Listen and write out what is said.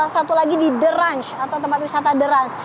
satu lagi di the ranch atau tempat wisata the ranch